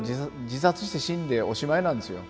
自殺して死んでおしまいなんですよ。